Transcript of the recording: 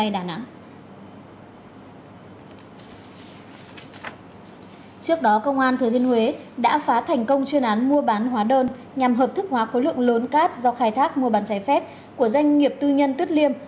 trước đó công an thừa thiên huế đã phá thành công chuyên án mua bán hóa đơn nhằm hợp thức hóa khối lượng lớn cát do khai thác mua bán trái phép của doanh nghiệp tư nhân tuyết liêm